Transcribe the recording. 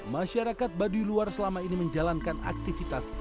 masyarakat baduy luar selama ini menjalankan aktivitas